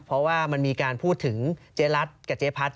เพราะว่ามันมีการพูดถึงเจ๊รัฐกับเจ๊พัด